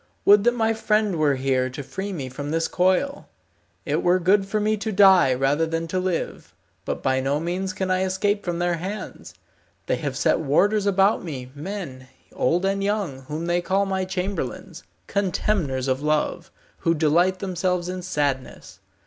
Would that my friend were here to free me from this coil. It were good for me to die rather than to live, but by no means can I escape from their hands. They have set warders about me, men, old and young, whom they call my chamberlains, contemners of love, who delight themselves in sadness.